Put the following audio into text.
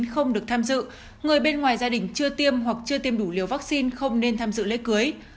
không được tham dự người bên ngoài gia đình chưa tiêm hoặc chưa tiêm đủ liều vaccine không nên tham dự lễ cưới